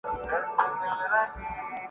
ان کے عمل کو بھی اپنانے کی کوشش کی